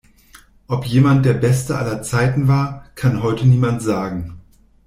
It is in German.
Ob jemand der Beste aller Zeiten war, kann heute niemand sagen.